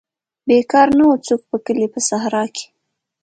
بیکار نه وو څوک په کلي په صحرا کې.